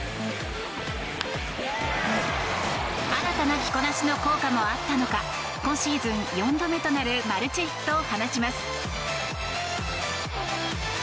新たな着こなしの効果もあったのか今シーズン４度目となるマルチヒットを放ちます。